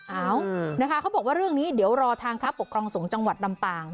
เอ้านะคะเขาบอกว่าเรื่องนี้เดี๋ยวรอทางค้าปกครองสงฆ์จังหวัดลำปาง